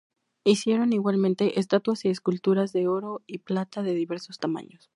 Hicieron igualmente estatuas y esculturas de oro y plata, de diversos tamaños.